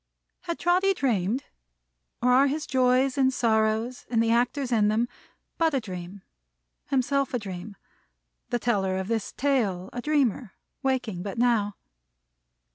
Had Trotty dreamed? Or are his joys and sorrows, and the actors in them, but a dream; himself a dream; the teller of this tale a dreamer, waking but now?